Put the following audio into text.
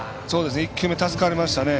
１球目助かりましたね。